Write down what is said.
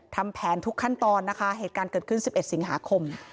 ทำแผนทุกขั้นตอนนะคะเหตุการณ์เกิดขึ้น๑๑สิงหาคม